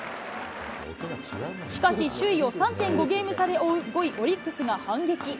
しかし、首位を３．５ゲーム差で追う５位オリックスが、反撃。